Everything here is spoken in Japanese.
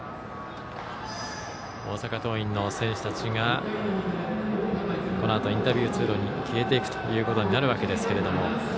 大阪桐蔭の選手たちがこのあとインタビュー通路に消えていくということになるわけですが。